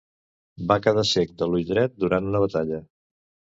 Va quedar cec de l'ull dret durant una batalla.